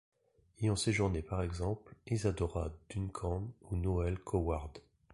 Y ont séjourné par exemple Isadora Duncan ou Noel Coward.